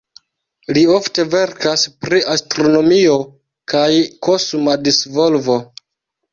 Li ofte verkas pri astronomio kaj kosma disvolvo.